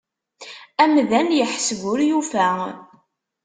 Amdan yeḥseb ur yufa.